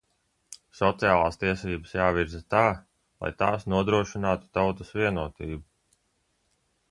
Sociālās tiesības jāvirza tā, lai tās nodrošinātu tautas vienotību.